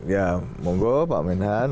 ya monggo pak menhan